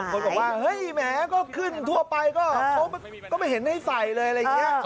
บางคนบอกว่าเฮ่ยแหมก็ขึ้นทั่วไปก็ไม่เห็นให้ใส่เลย